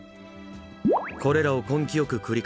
これらを根気よく繰り返す。